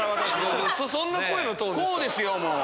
こうですよもう。